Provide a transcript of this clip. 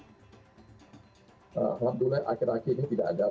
alhamdulillah akhir akhir ini tidak ada